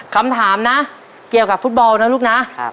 คำถามนะเกี่ยวกับฟุตบอลนะลูกนะ